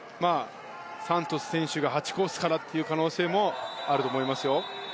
サントス選手が８コースからという可能性もあると思いますよ。